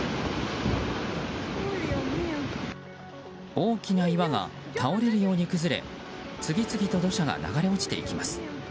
大きな岩が倒れるように崩れ次々と土砂が流れ落ちていきます。